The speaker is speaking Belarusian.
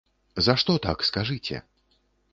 За што так, скажыце?